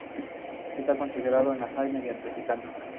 Está considerado un ají medianamente picante.